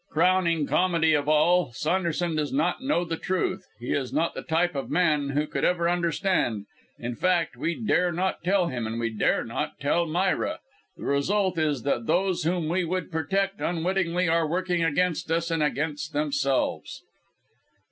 Crowning comedy of all, Saunderson does not know the truth; he is not the type of man who could ever understand; in fact we dare not tell him and we dare not tell Myra. The result is that those whom we would protect, unwittingly are working against us, and against themselves."